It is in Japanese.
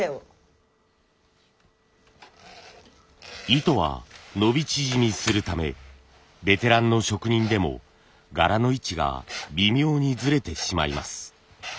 糸は伸び縮みするためベテランの職人でも柄の位置が微妙にずれてしまいます。